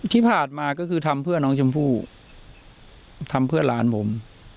ที่ผ่านมาก็คือทำเพื่อน้องชมพู่ทำเพื่อหลานผม